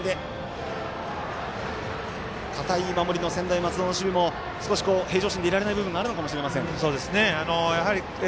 堅い守りの専大松戸の守備も少し平常心でいられない部分もあるのかもしれません。